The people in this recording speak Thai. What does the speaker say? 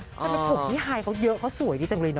ก็เป็นผมที่ไฮเขาเยอะเขาสวยดีจังเลยเนอะ